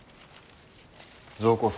上皇様